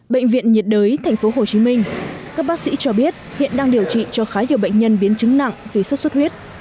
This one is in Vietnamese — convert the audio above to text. bệnh viện nhiệt đới tp hcm các bác sĩ cho biết hiện đang điều trị cho khá nhiều bệnh nhân biến chứng nặng vì sốt xuất huyết